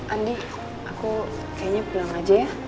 andi aku kayaknya pulang aja ya